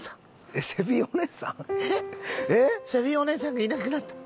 セフィお姉さんがいなくなった？